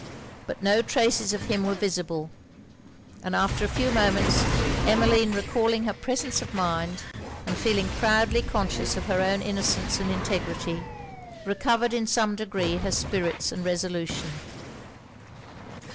But no traces of him were visible: and after a few moments, Emmeline recalling her presence of mind, and feeling proudly conscious of her own innocence and integrity, recovered in some degree her spirits and resolution.